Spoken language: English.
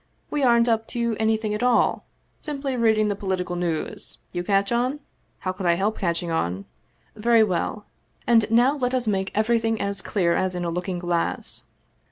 We aren't up to anything at all ; simply reading the politi cal news ! You catch on ?"" How could I help catching on ?"" Very well. And now let us make everything as clear as in a looking glass.